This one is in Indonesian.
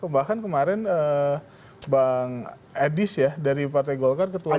bahkan kemarin bang edis ya dari partai golkar ketua umum